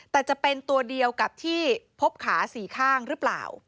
แต่จะเป็นตัวเดียวกับที่พบขาสี่ข้างหรือเปล่า